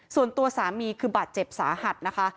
ส่วนตัวสามีคือบาดเจ็บสาหัสนะคะ